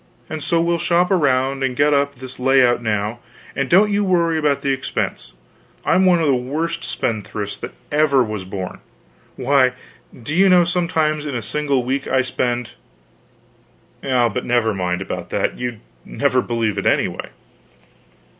And so we'll shop around and get up this layout now, and don't you worry about the expense. I'm one of the worst spendthrifts that ever was born. Why, do you know, sometimes in a single week I spend but never mind about that you'd never believe it anyway."